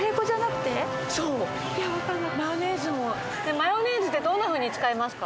マヨネーズってどんなふうに使いますか？